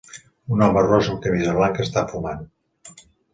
Un home ros amb camisa blanca està fumant.